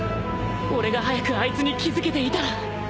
俺が早くあいつに気付けていたら